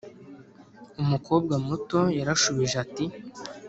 umukobwa muto yarashubije ati,